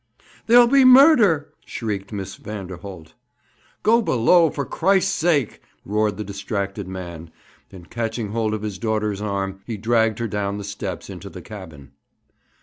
'There'll be murder!' shrieked Miss Vanderholt. 'Go below, for Christ's sake!' roared the distracted man; and, catching hold of his daughter's arm, he dragged her down the steps into the cabin.